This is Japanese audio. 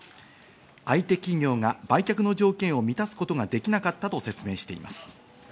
相手企業が売却の条件を満たすことができなかったと説明しています。